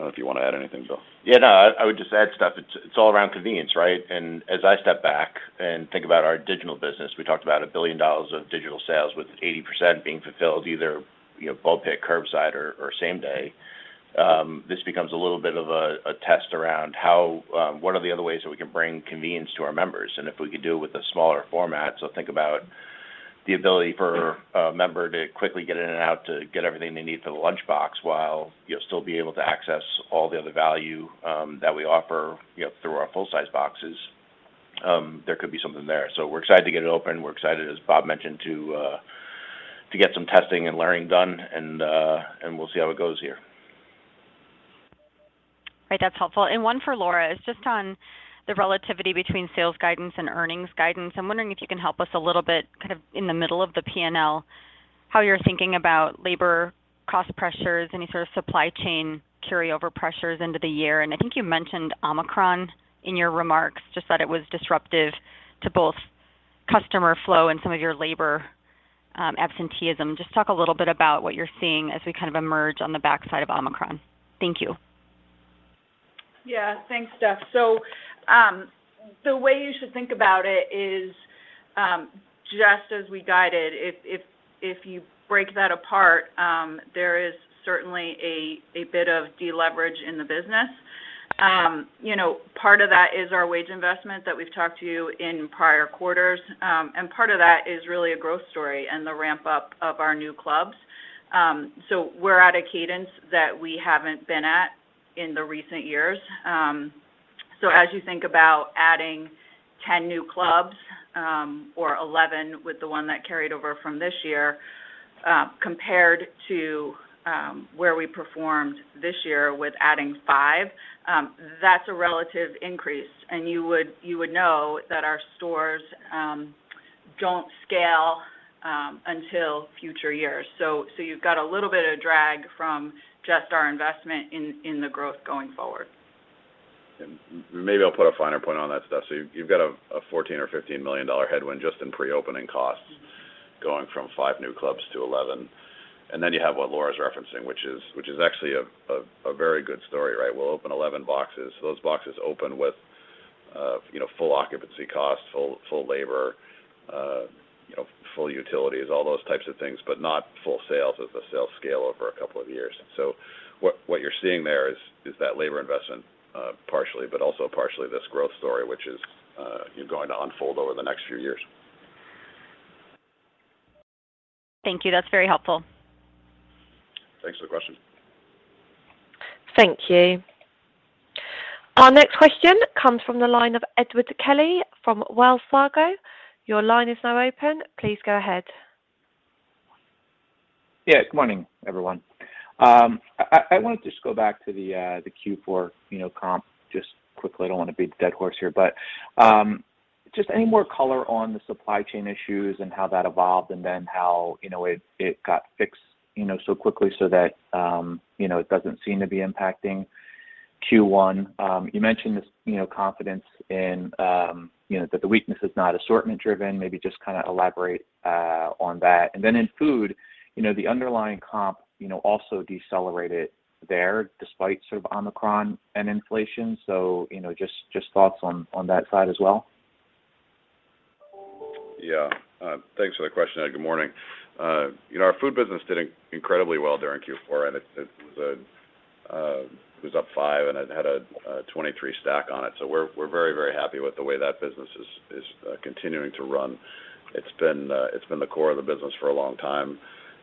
I don't know if you want to add anything, Bill.
Yeah, no, I would just add stuff. It's all around convenience, right? As I step back and think about our digital business, we talked about $1 billion of digital sales with 80% being fulfilled, either, you know, BOPIS, curbside, or same day. This becomes a little bit of a test around how, what are the other ways that we can bring convenience to our members, and if we could do it with a smaller format. Think about the ability for.
Yeah.
A member to quickly get in and out to get everything they need for the lunchbox while, you know, still be able to access all the other value that we offer, you know, through our full-size boxes. There could be something there. We're excited to get it open. We're excited, as Bob mentioned, to get some testing and learning done, and we'll see how it goes here.
Right. That's helpful. One for Laura is just on the relativity between sales guidance and earnings guidance. I'm wondering if you can help us a little bit, kind of in the middle of the P&L, how you're thinking about labor cost pressures, any sort of supply chain carryover pressures into the year? I think you mentioned Omicron in your remarks, just that it was disruptive to both customer flow and some of your labor, absenteeism. Just talk a little bit about what you're seeing as we kind of emerge on the backside of Omicron. Thank you.
Thanks, Steph. The way you should think about it is just as we guided. If you break that apart, there is certainly a bit of deleverage in the business. You know, part of that is our wage investment that we've talked to you in prior quarters. Part of that is really a growth story and the ramp-up of our new clubs. We're at a cadence that we haven't been at in the recent years. As you think about adding 10 new clubs, or 11 with the one that carried over from this year, compared to where we performed this year with adding five, that's a relative increase. You would know that our stores don't scale until future years. You've got a little bit of drag from just our investment in the growth going forward.
Maybe I'll put a finer point on that, Steph. You've got a $14 million-$15 million headwind just in pre-opening costs.
Mm-hmm.
Going from five new clubs to 11. You have what Laura's referencing, which is actually a very good story, right? We'll open 11 boxes. Those boxes open with, you know, full occupancy costs, full labor, you know, full utilities, all those types of things, but not full sales as the sales scale over a couple of years. What you're seeing there is that labor investment, partially, but also partially this growth story, which is going to unfold over the next few years.
Thank you. That's very helpful.
Thanks for the question.
Thank you. Our next question comes from the line of Edward Kelly from Wells Fargo. Your line is now open. Please go ahead.
Yeah, good morning everyone. I wanted to just go back to the Q4, you know, comp just quickly. I don't want to beat a dead horse here, but just any more color on the supply chain issues and how that evolved and then how it got fixed, you know, so quickly so that it doesn't seem to be impacting Q1. You mentioned this confidence in that the weakness is not assortment driven. Maybe just kind of elaborate on that. In food, you know, the underlying comp also decelerated there despite sort of Omicron and inflation. Just thoughts on that side as well.
Yeah. Thanks for the question. Good morning. You know, our food business did incredibly well during Q4, and it was up 5% and it had a 23% stack on it. So we're very happy with the way that business is continuing to run. It's been the core of the business for a long time.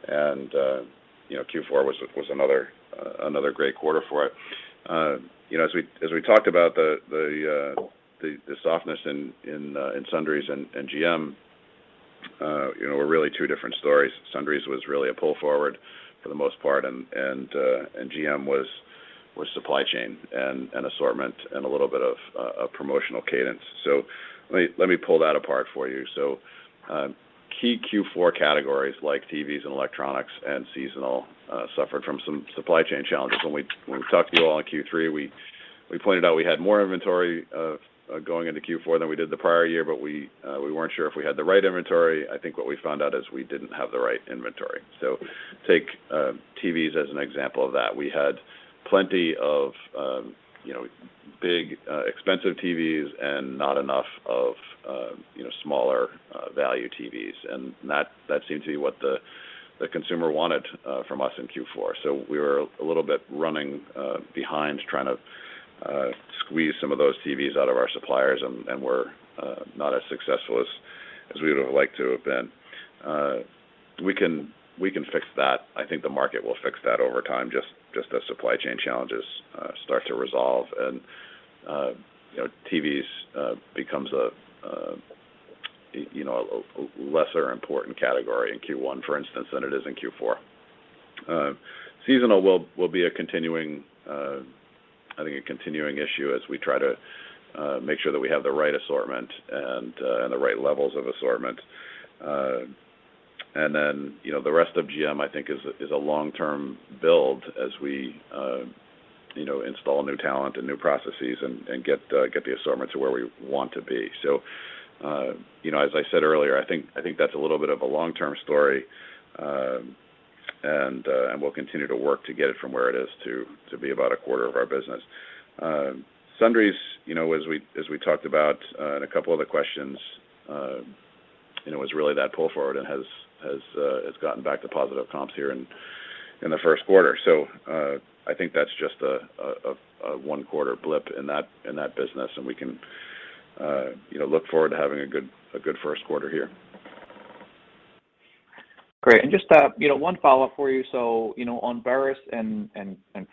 You know, Q4 was another great quarter for it. You know, as we talked about the softness in sundries and GM, you know, were really two different stories. Sundries was really a pull forward for the most part, and GM was supply chain and assortment and a little bit of a promotional cadence. Let me pull that apart for you. Key Q4 categories like TVs and electronics and seasonal suffered from some supply chain challenges. When we talked to you all in Q3, we pointed out we had more inventory going into Q4 than we did the prior year, but we weren't sure if we had the right inventory. I think what we found out is we didn't have the right inventory. Take TVs as an example of that. We had plenty of, you know, big, expensive TVs and not enough of, you know, smaller, value TVs. That seemed to be what the consumer wanted from us in Q4. We were a little bit running behind trying to squeeze some of those TVs out of our suppliers and we're not as successful as we would have liked to have been. We can fix that. I think the market will fix that over time just as supply chain challenges start to resolve and you know, TVs becomes a lesser important category in Q1, for instance, than it is in Q4. Seasonal will be a continuing issue as we try to make sure that we have the right assortment and the right levels of assortment. You know, the rest of GM I think is a long-term build as we you know install new talent and new processes and get the assortment to where we want to be. You know, as I said earlier, I think that's a little bit of a long-term story, and we'll continue to work to get it from where it is to be about a quarter of our business. Sundries, you know, as we talked about in a couple other questions, you know, was really that pull forward and has gotten back to positive comps here in the first quarter. I think that's just a one-quarter blip in that business, and we can, you know, look forward to having a good first quarter here.
Great. Just, you know, one follow-up for you. So, you know, on Burris and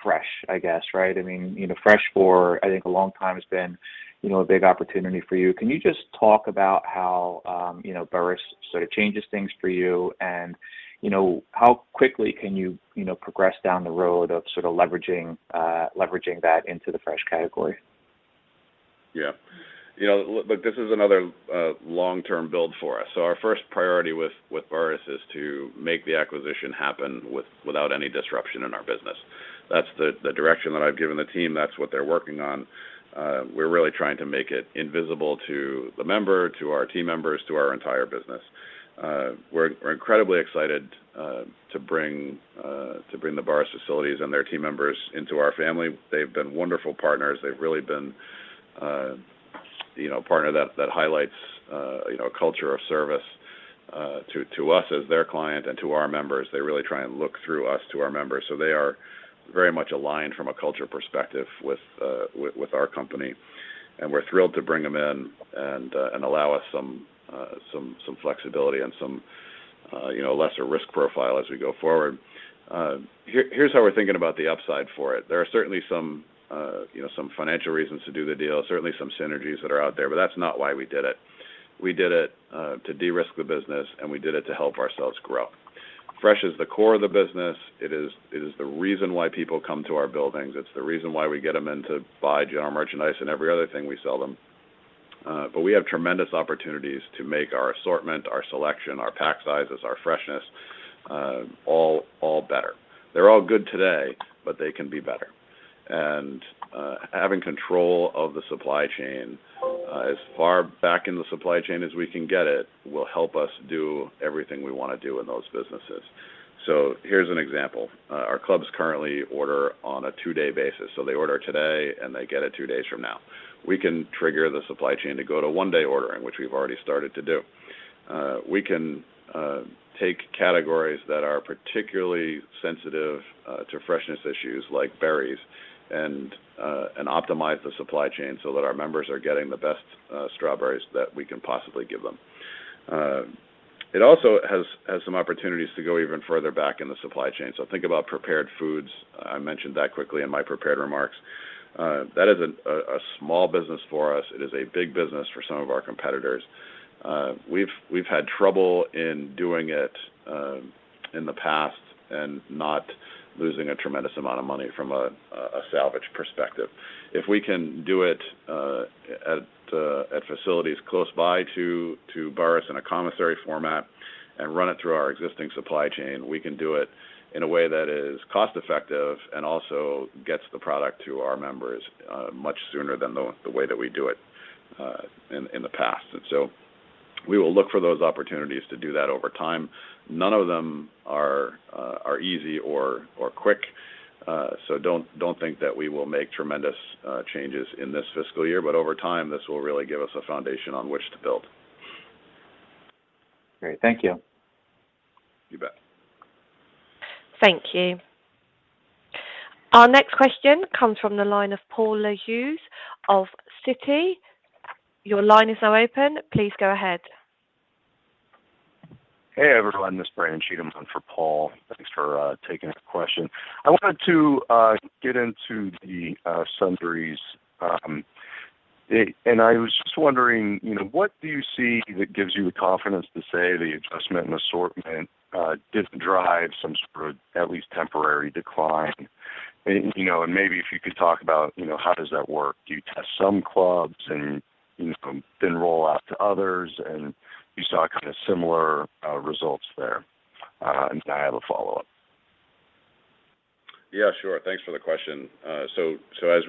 Fresh, I guess, right? I mean, you know, Fresh for, I think, a long time has been, you know, a big opportunity for you. Can you just talk about how, you know, Burris sort of changes things for you? And, you know, how quickly can you know, progress down the road of sort of leveraging that into the Fresh category?
Yeah. You know, look, this is another long-term build for us. Our first priority with Burris is to make the acquisition happen without any disruption in our business. That's the direction that I've given the team. That's what they're working on. We're really trying to make it invisible to the member, to our team members, to our entire business. We're incredibly excited to bring the Burris facilities and their team members into our family. They've been wonderful partners. They've really been a partner that highlights a culture of service to us as their client and to our members. They really try and look through us to our members. They are very much aligned from a culture perspective with our company. We're thrilled to bring them in and allow us some flexibility and some you know lesser risk profile as we go forward. Here's how we're thinking about the upside for it. There are certainly some financial reasons to do the deal, certainly some synergies that are out there, but that's not why we did it. We did it to de-risk the business, and we did it to help ourselves grow. Fresh is the core of the business. It is the reason why people come to our buildings. It's the reason why we get them in to buy general merchandise and every other thing we sell them. We have tremendous opportunities to make our assortment, our selection, our pack sizes, our freshness, all better. They're all good today, but they can be better. Having control of the supply chain as far back in the supply chain as we can get it will help us do everything we wanna do in those businesses. Here's an example. Our clubs currently order on a two-day basis. They order today, and they get it two days from now. We can trigger the supply chain to go to one-day ordering, which we've already started to do. We can take categories that are particularly sensitive to freshness issues, like berries, and optimize the supply chain so that our members are getting the best strawberries that we can possibly give them. It also has some opportunities to go even further back in the supply chain. Think about prepared foods. I mentioned that quickly in my prepared remarks. That isn't a small business for us. It is a big business for some of our competitors. We've had trouble in doing it in the past and not losing a tremendous amount of money from a salvage perspective. If we can do it at facilities close by to Burris in a commissary format and run it through our existing supply chain, we can do it in a way that is cost-effective and also gets the product to our members much sooner than the way that we do it in the past. We will look for those opportunities to do that over time. None of them are easy or quick. Don't think that we will make tremendous changes in this fiscal year. Over time, this will really give us a foundation on which to build.
Great. Thank you.
You bet. Thank you. Our next question comes from the line of Paul Lejuez of Citi. Your line is now open. Please go ahead.
Hey, everyone. This is Brandon Cheatham on for Paul. Thanks for taking the question. I wanted to get into the sundries, and I was just wondering, you know, what do you see that gives you the confidence to say the adjustment in assortment didn't drive some sort of at least temporary decline? You know, and maybe if you could talk about, you know, how does that work? Do you test some clubs and, you know, then roll out to others, and you saw kind of similar results there? I have a follow-up.
Yeah, sure. Thanks for the question. As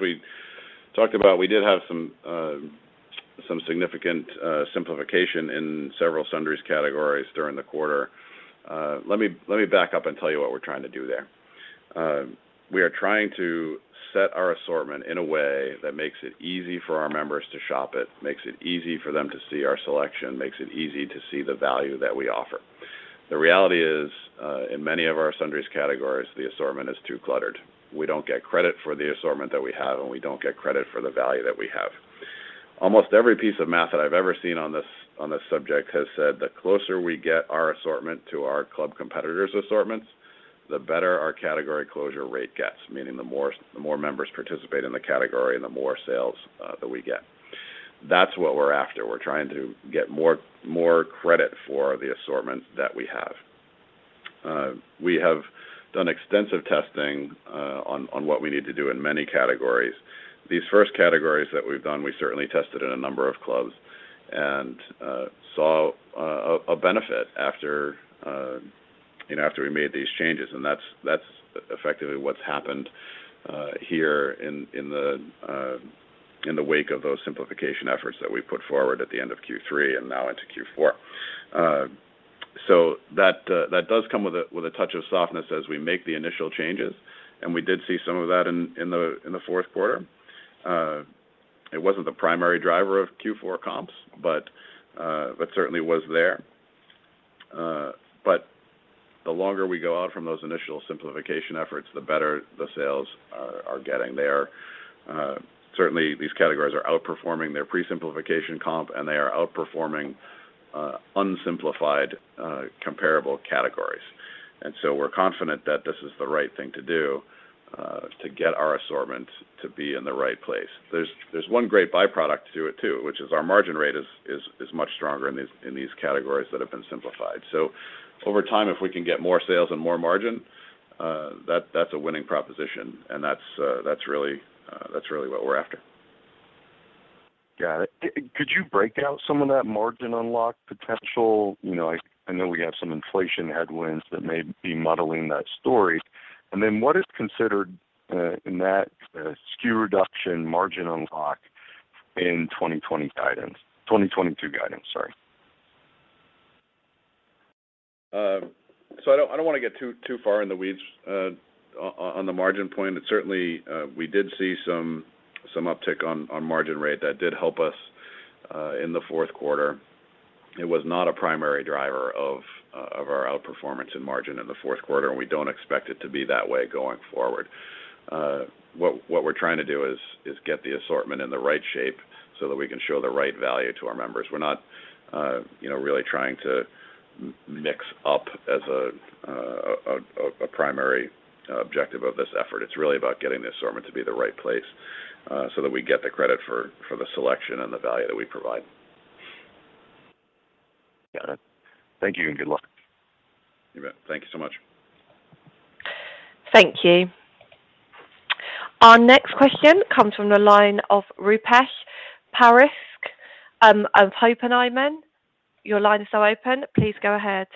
we talked about, we did have some significant simplification in several sundries categories during the quarter. Let me back up and tell you what we're trying to do there. We are trying to set our assortment in a way that makes it easy for our members to shop it, makes it easy for them to see our selection, makes it easy to see the value that we offer. The reality is, in many of our sundries categories, the assortment is too cluttered. We don't get credit for the assortment that we have, and we don't get credit for the value that we have. Almost every piece of math that I've ever seen on this subject has said the closer we get our assortment to our club competitors' assortments, the better our category closure rate gets. Meaning the more members participate in the category and the more sales that we get. That's what we're after. We're trying to get more credit for the assortment that we have. We have done extensive testing on what we need to do in many categories. These first categories that we've done, we certainly tested in a number of clubs and saw a benefit after you know, after we made these changes, and that's effectively what's happened here in the wake of those simplification efforts that we put forward at the end of Q3 and now into Q4. That does come with a touch of softness as we make the initial changes, and we did see some of that in the fourth quarter. It wasn't the primary driver of Q4 comps, certainly was there. The longer we go out from those initial simplification efforts, the better the sales are getting there. Certainly, these categories are outperforming their pre-simplification comp, and they are outperforming unsimplified comparable categories. We're confident that this is the right thing to do to get our assortment to be in the right place. There's one great byproduct to it, too, which is our margin rate is much stronger in these categories that have been simplified. Over time, if we can get more sales and more margin, that's a winning proposition, and that's really what we're after.
Got it. Could you break out some of that margin unlock potential?
You know, I know we have some inflation headwinds that may be muddling that story. Then what is considered in that SKU reduction margin unlock in 2022 guidance, sorry. I don't wanna get too far in the weeds on the margin point. It certainly. We did see some uptick on margin rate that did help us in the fourth quarter. It was not a primary driver of our outperformance in margin in the fourth quarter, and we don't expect it to be that way going forward. What we're trying to do is get the assortment in the right shape so that we can show the right value to our members. We're not, you know, really trying to mix up as a primary objective of this effort. It's really about getting the assortment to be the right place so that we get the credit for the selection and the value that we provide.
Got it. Thank you, and good luck.
You bet. Thank you so much.
Thank you. Our next question comes from the line of Rupesh Parikh of Oppenheimer. Your line is now open. Please go ahead.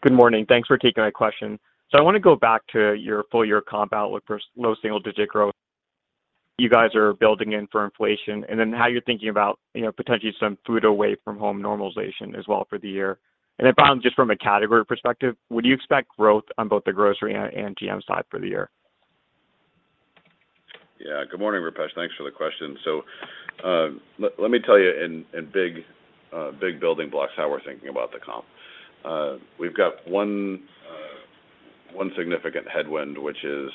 Good morning. Thanks for taking my question. I wanna go back to your full year comp outlook for low single digit growth. You guys are building in for inflation, and then how you're thinking about, you know, potentially some food away from home normalization as well for the year. Finally, just from a category perspective, would you expect growth on both the grocery and GM side for the year?
Yeah. Good morning, Rupesh. Thanks for the question. Let me tell you in big building blocks how we're thinking about the comp. We've got one significant headwind, which is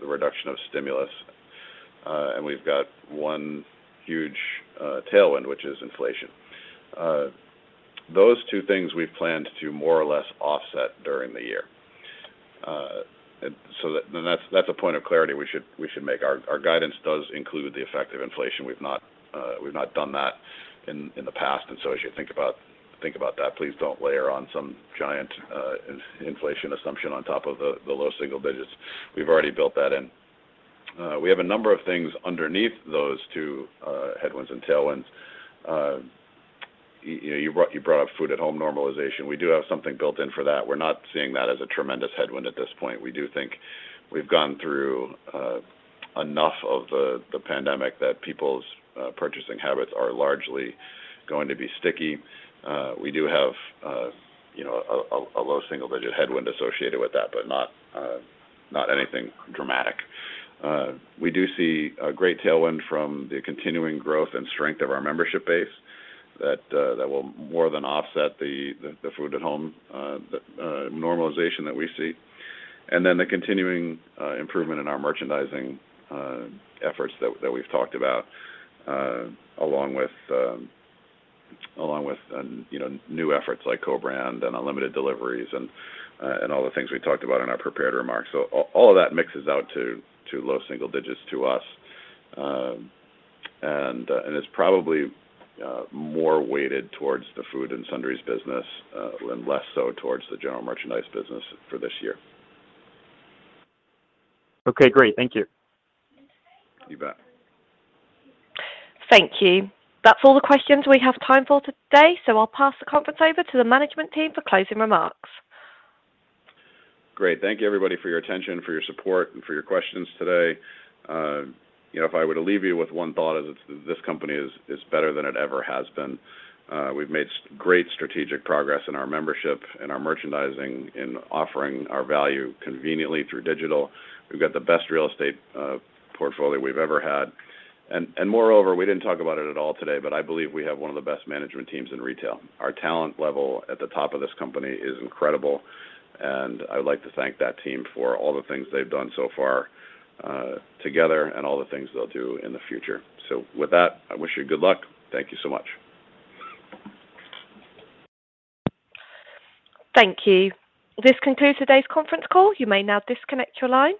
the reduction of stimulus, and we've got one huge tailwind, which is inflation. Those two things we've planned to more or less offset during the year. That's a point of clarity we should make. Our guidance does include the effect of inflation. We've not done that in the past. As you think about that, please don't layer on some giant inflation assumption on top of the low single digits. We've already built that in. We have a number of things underneath those two headwinds and tailwinds. You know, you brought up food at home normalization. We do have something built in for that. We're not seeing that as a tremendous headwind at this point. We do think we've gone through enough of the pandemic that people's purchasing habits are largely going to be sticky. We do have a low single digit headwind associated with that, but not anything dramatic. We do see a great tailwind from the continuing growth and strength of our membership base that will more than offset the food at home normalization that we see. The continuing improvement in our merchandising efforts that we've talked about along with you know new efforts like co-brand and unlimited deliveries and all the things we talked about in our prepared remarks. All of that mixes out to low single digits to us. And it's probably more weighted towards the food and sundries business and less so towards the general merchandise business for this year.
Okay, great. Thank you.
You bet.
Thank you. That's all the questions we have time for today, so I'll pass the conference over to the management team for closing remarks.
Great. Thank you everybody for your attention, for your support, and for your questions today. You know, if I were to leave you with one thought, it's that this company is better than it ever has been. We've made great strategic progress in our membership and our merchandising in offering our value conveniently through digital. We've got the best real estate portfolio we've ever had. And moreover, we didn't talk about it at all today, but I believe we have one of the best management teams in retail. Our talent level at the top of this company is incredible, and I would like to thank that team for all the things they've done so far, together and all the things they'll do in the future. With that, I wish you good luck. Thank you so much.
Thank you. This concludes today's conference call. You may now disconnect your line.